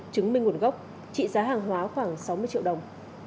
chứng minh nguồn gốc trị giá hàng hóa khoảng sáu mươi triệu đồng